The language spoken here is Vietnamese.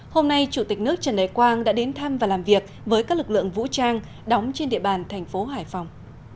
hôm nay chủ tịch nước trần đại quang đã đến thăm và làm việc với các lực lượng vũ trang đóng trên địa bàn thành phố hải phòng